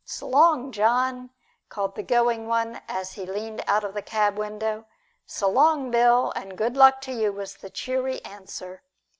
"S' long, John!" called the going one as he leaned out of the cab window. "S' long, Bill, and good luck to you," was the cheery answer.